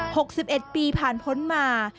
หกสิบเอ็ดปีผ่านพ้นมา